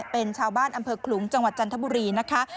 เป็นชาวบ้านอำเภอขลุงจังหวัดจันทบุรีนะคะ